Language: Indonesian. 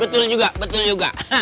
betul juga betul juga